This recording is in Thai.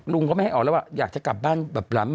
ลุงก็ไม่ให้ออกแล้วว่าอยากจะกลับบ้านแบบหลัง